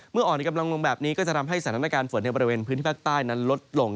อ่อนกำลังลงแบบนี้ก็จะทำให้สถานการณ์ฝนในบริเวณพื้นที่ภาคใต้นั้นลดลง